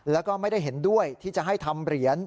แล้วก็ไม่ได้เห็นด้วยที่จะให้ทำเหรียญ